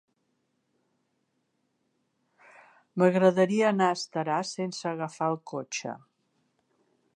M'agradaria anar a Estaràs sense agafar el cotxe.